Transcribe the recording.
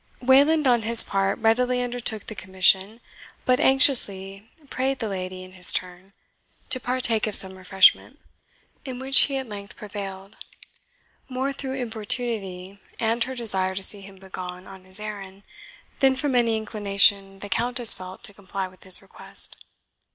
Wayland, on his part, readily undertook the commission, but anxiously prayed the lady, in his turn, to partake of some refreshment; in which he at length prevailed, more through importunity and her desire to see him begone on his errand than from any inclination the Countess felt to comply with his request.